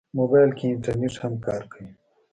موبایل کې انټرنیټ هم کار کوي.